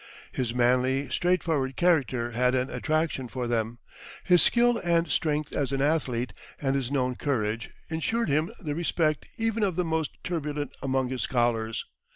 His manly, straightforward character had an attraction for them; his skill and strength as an athlete, and his known courage, ensured him the respect even of the most turbulent among his scholars.